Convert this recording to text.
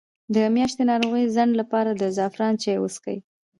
د میاشتنۍ ناروغۍ د ځنډ لپاره د زعفران چای وڅښئ